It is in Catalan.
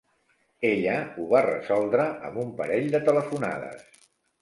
Ella ho va resoldre amb un parell de telefonades.